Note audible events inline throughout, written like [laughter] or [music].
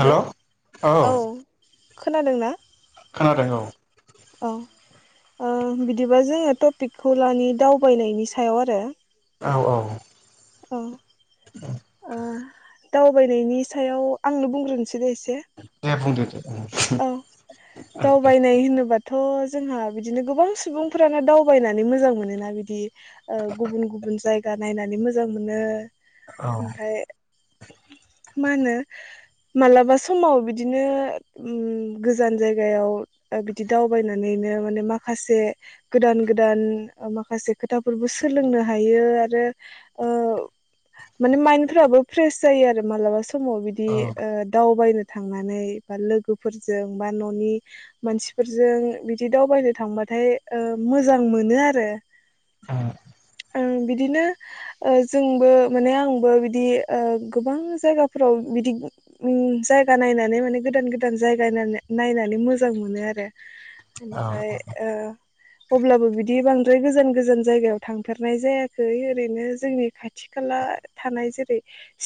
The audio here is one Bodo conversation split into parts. हेल' औ खोनादों ना? खोनादों औ औ ओ बिदिबा जोङो टपिकखौ लानि दावबायनायनि सायाव आरो औ औ औ औ ओ दावबायनायनि सायाव आंनो बुंग्रोनो दे बुंदो दे औ औ दावबायनाय होनोबा दाथ' जोंहा बिदिनो गोबां सुबुंफोरानो दावबायनानै मोजां मोनोना बिदि ओ गुबुन गुबुन जाय नायनानै मोजां मोनो औ ओमफाय मा होनो मालाबा समाव बिदिनो ओम गोजान जायगायाव बिदि दावबायनानैनो माने माखासे गोदान गोदान माखासे खोथाफोरबो सोलोंनो हायो आरो ओ माने माइन्दफ्राबो फ्रेस जायो आरो मालाबा स समाव बिदि ओ दावबायनो थांनानै बा लोगो लोगोफोरजों बा न'नि मानसिफोरजों बिदि दावबायनो थांबाथाय ओ मोजां मोनो आरो ओं बिदिनो ओ जोंबो माने आंबो बिदि ओ गोबां जायगाफोराव बिदि ओ जायगा नायनानै माने गोदान गोदान गोदान जायगा नायना नायनानै मोजां मोनो आरो बेनिफ्राय ओ अब्लाबो बिदि बांद्राय गोजान गोजान जायगायाव थांफेरनाय जायाखै ओरैनो जोंनि खाथि खाला थानाय जेरै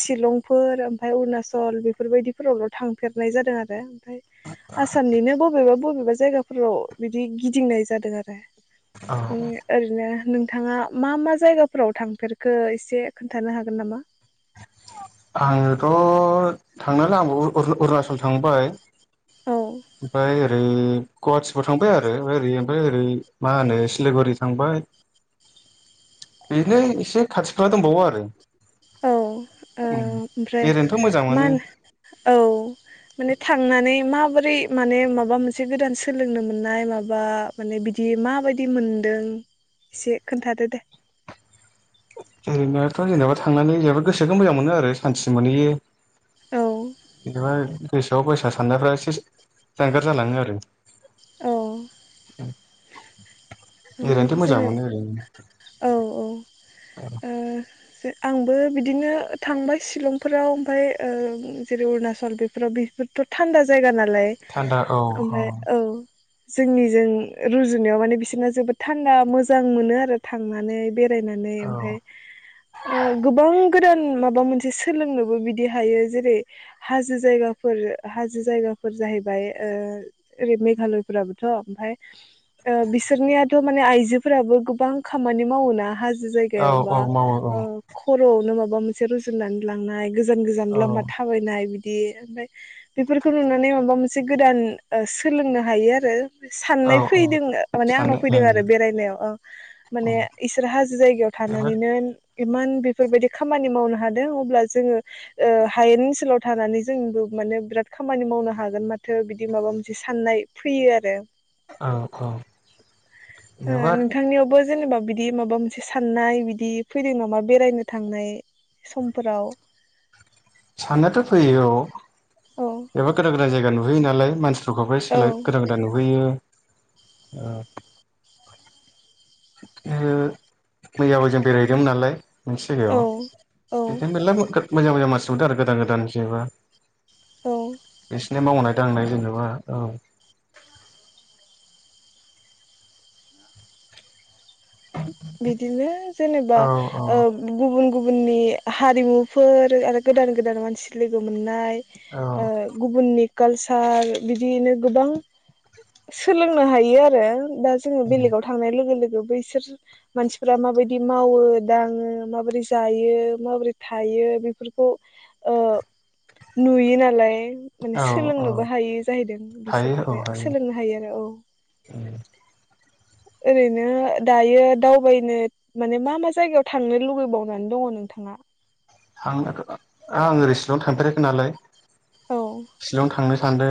शिलंफोर ओमफ्राय अरुणाचल बेफोरबायदिफोरावल' थांफेरनाय जादों आरो [unintelligible] ओमफ्राय आसामनिनो बबेबा बबेबा जायगाफोराव बिदि गिदिंनाय जादों आरो औ ओरैनो नों नोंथाङा मा मा जायगाफोराव थांफेरखो एसे खोन्थानो हागोन नामा आङोथ' थांनायालाय आंबो अरु-अरुणाचल थांबाय औ ओमफाय ओरै गहाटिफोराव थांबाय आरो ओरै ओमफाय ओरै मा होनो सिलिगुरि थांबाय बिदिनो एसे खाथि खाला दंबावो आरो औ ओमफ्राय बेरायनोथ' मोजां ओ मा मोनो होनो औ माने थांनानै माबोरै माने माबा मोनसे गोदान सोलोंनो मोननाय माबा माने बिदि माबायदि मोनदों एसे खोन्थादो दे ओरैनोथ' जेनेबा थांनानै जेनेबा गोसोखौ मोजां मोनो आरो सान्थि मोनहैयो औ [unintelligible] गोसोआव [unintelligible] साननायफ्रा एसे जानगार जालाङो आरो औ उम ओरैनोथ' मोजां मोनो जेनेबा ओरैनो औ औ ओ आंबो बिदिनो थांबाय शिलंफोराव ओमफ्राय जेरै अरुणाचल बेफोराव बेफोरथ' थान्दा जायगा ना लाय थान्दा औ ओमफ्राय औ जोंनिजों रुजुनायाव माने बिसोरना जोबोद थान्दा मोजां मोनो आरो थांनानै बे नानै औ ओमफाय ओ गोबां गोदान माबा मोनसे सोलोंनोबो बिदि हायो जेरै हाजो जायगाफोर हाजो जायगाफोर जाहैबाय ओरै मेघालयफोराबोथ' ओमफाय बिसोरनियाथ' माने आइजोफोराबो गोबां खामानि मावो ना हा औ जायगायाव औ बा मावो औ खर'आवनो माबा माबा मोनसे रुजुनानै लांनाय गोजान गोजान औ लामा थाबायनाय बिदि बिदि ओमफ्राय बेफोरखौ नुनानै माबा मोनसे गोदान सोलोंनो हायो आरो औ साननाय औ फैदों माने आंनाव साननो फैदों ओं आरो बेरायनायाव ओ औ माने इसोर हाजो जायगायाव जोबोद थानानैनो इमान बेफोरबायदि खामानि मावनो हादों अब्ला जोङो ओ हायेन ओनसोलाव थानानै जोंबो माने बिराद खामानि मावनो हागोन माथो बिदि माबा मोनसे साननाय फैयो आरो औ औ ओ जोबोर नोंथांनियावबो जेनेबा बिदि माबा मोनसे साननाय बिदि फैदों नामा बेरायनो थांनाय समफोराव साननायाथ' फैयो औ औ एबा गोदान गोदान जायगा नुहैयो नालाय मानसि [unintelligible] औ सोलाय गोदान गोदान नुहैयो औ मैयाबो जों बेरायहदोंमोन नालाय मोनसे औ जायगायाव औ बिदिनो मेरला [unintelligible] मोजां मोजां मानसि नुबोदों आरो गोदान गोदान जेनेबा औ बिसिनि मावनाय दांनाय जेनेबा औ बिदिनो जेनेबा औ औ गुबुन गुबुननि हारिमुफोर आरो गोदान गोदान मानसि लोगो मोननाय औ गुबुननि कालसार बिदियैनो गोबां सोलोंनो हायो आरो दा जोङो बेलेगाव थांनाय लोगो लोगो बैसोर मानसिफ्रा माबायदि मावो दाङो माबोरै जायो माबोरै थायो बेफोरखौ ओ नुयो नालाय माने औ औ सोलोंनोबो हायो जाहैदों हायो औ बिसोरनिफ्राय सोलोंनो हायो आरो औ ओरैनो दायो दावबायनो माने मा मा जायगायाव थांनो लुबैबावनानै दङ नोंथाङा आं आङो रेस्टुरेआव थांफेराखै नालाय औ शिलं थांनो सानदों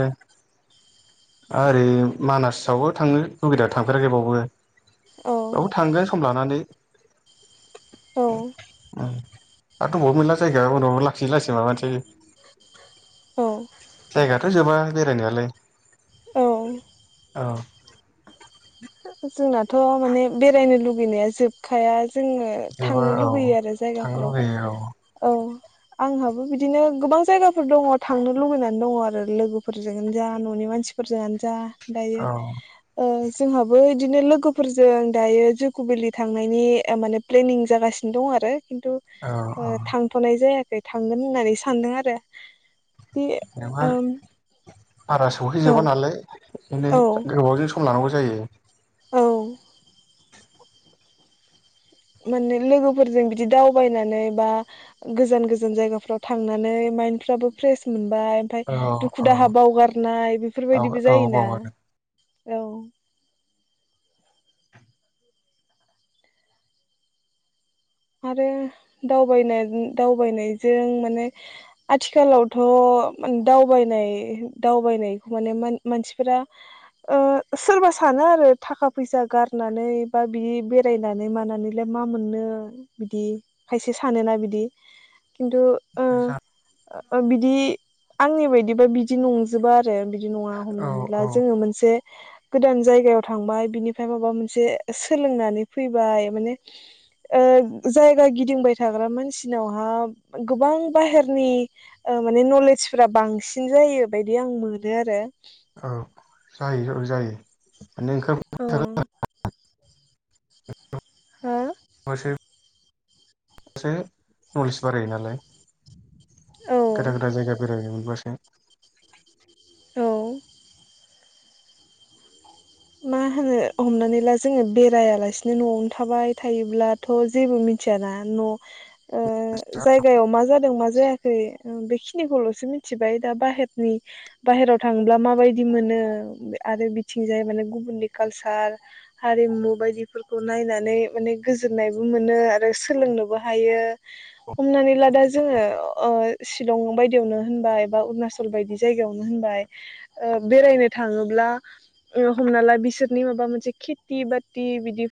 ओरै मानासावबो थाङो लगैदा थांफेराखै बावबो औ थांगोन सम लानानै औ [inaudible] आरो दङबावो मेरला जायगा उनाव लासै लासै माबानोसै जायगाथ' जोबा बेरायनायालाय औ औ जोंनाथ' माने बेरायनो लुुबैनाया जोबखाया जोङो जोबा थांनो औ लुबैयो आरो थांनो जायगाफ्राव लुगैयो औ आंहाबो बिदिनो गोबां जायगाफोर दङ थांनो लुबैनानै दङ आरो लोगोफोरजोंनो जा न'नि मानसिफोरजोंनो जा दायो औ ओ जोंहाबो इदिनो लोगोफोरजों दायो जुक'भेलि थांनायनि अ माने प्लेनिं जागासिनो दं आरो खिन्थु औ औ ओ थांथ'नाय जाया खै थांगोन होननानै सानदों आरो बे जेनेबा ओम बारा औ सहैजोबा नालाय बिदिनो औ गोबावजों सम लानांगौ जायो औ माने लोगोफोरजों बिदि दावबायनानै बा गोजान गोजान जायगाफ्राव थांनानै माइन्दफ्राबो फ्रेस मोन बाय ओमफ्राय औ दुखु औ दाहा बावगारनाय औ बेफोरबायदिबो औ जायोना बाव आरो औ आरो दावबाय दावबायनायजों माने आथिखालावथ' दावबायनाय दावबायनायखौ माने मानसिफोरा ओह सोरबा सानो आरो थाखा फैसा गारनानै बा बिदि बेरायनानै मानानैलाय मा मोननो बिदि खायसे सानोना बिदि खिन्थु ओ बिदि आंनि बायदिबा बिदि नंजोबा अ बिदि नङा औ हमनानै ला औ जोङो मोनसे गोदान जायगायाव थांबाय बिनिफ्राय माबा मोनसे सोलोंनानै फैबाय माने ओह जायगा गिदिंबाय थाग्रा मानसिनावहा गोबां बाहेरनि अ माने नलेजफोरा बांसिन जायो बारदि आं मोनो आरो औ जायो औ [unintelligible] [unintelligible] एसे नलेज बारायो नालाय गोदान हो गोदान जायगा बेरायनो मोनबासो [unintelligible] औ मा होनो हमनानै ला जोङो बेरायालासिनो न'आवनो थाबाय थायोब्लाथ' जेबो मिथियाना न' ओ जायगायाव मा जादों मा जायाखै बेखिनिखौल' सो मिथिबाय दा बाहेरनि बाहेराव थांब्ला माबायदि मोनो आरो बिथिं जाय माने गुबुननि कालसार हारिमु बायदिफोरखौ नायनानै माने गोजोननायबो मोनो आरो सोलोंनोबो हायो हमनानै ला दा जोङो अ शिलं बायदियावनो होनबाय बा अरुणाचल बायदि जायगायावनो होनबाय ओ बेरायनो थाङोब्ला उम हमना ला बिसोरनि माबा मोनसे खेथि बाथि बिदि